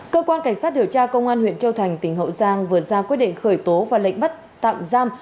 cơ quan cảnh sát điều tra công an huyện châu thành tỉnh hậu giang vừa ra quyết định khởi tố và lệnh bắt tạm giam